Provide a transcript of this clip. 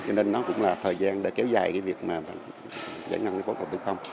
cho nên nó cũng là thời gian đã kéo dài cái việc giải ngân vốn đầu tư công